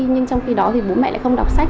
nhưng trong khi đó thì bố mẹ lại không đọc sách